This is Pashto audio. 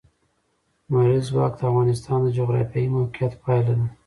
لمریز ځواک د افغانستان د جغرافیایي موقیعت پایله ده.